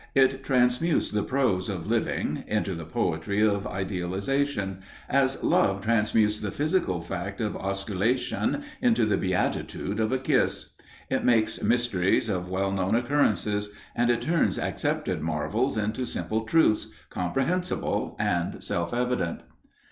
It transmutes the prose of living into the poetry of idealization, as love transmutes the physical fact of osculation into the beatitude of a kiss. It makes mysteries of well known occurrences, and it turns accepted marvels into simple truths, comprehensible and self evident.